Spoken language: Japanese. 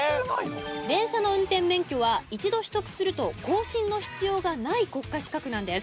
電車の運転免許は一度取得すると更新の必要がない国家資格なんです。